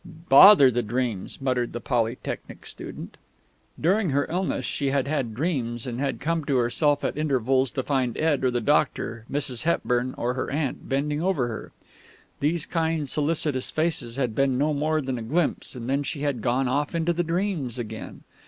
"Bother the dreams!" muttered the Polytechnic student. During her illness she had had dreams, and had come to herself at intervals to find Ed or the doctor, Mrs. Hepburn or her aunt, bending over her. These kind, solicitous faces had been no more than a glimpse, and then she had gone off into the dreams again.